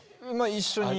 一緒に。